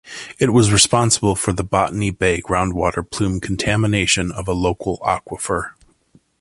It was responsible for the Botany Bay Groundwater Plume contamination of a local aquifer.